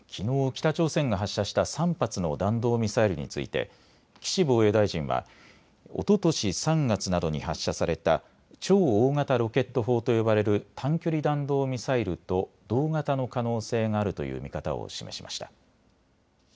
北朝鮮が発射した３発の弾道ミサイルについて岸防衛大臣はおととし３月などに発射された超大型ロケット砲と呼ばれる短距離弾道ミサイルと同型の可能性があるという見方を示しました。